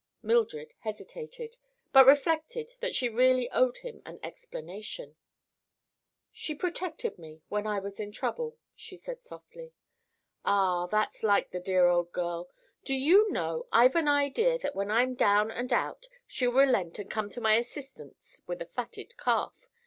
Mildred hesitated, but reflected that she really owed him an explanation. "She protected me when I was in trouble," she said softly. "Ah; that's like the dear old girl. Do you know, I've an idea that when I'm down and out she'll relent and come to my assistance with a fatted calf?